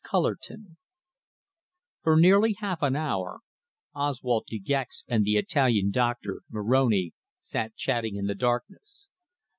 CULLERTON For nearly half an hour Oswald De Gex and the Italian doctor, Moroni, sat chatting in the darkness.